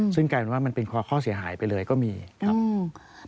ซึ่งกลายเป็นว่ามันเป็นข้อเสียหายไปเลยก็มีครับอืม